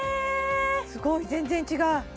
すごい全然違うえ！